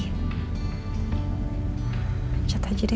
pencet aja deh